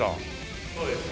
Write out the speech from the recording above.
そうですね。